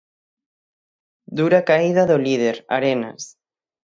Dura caída do líder, Arenas.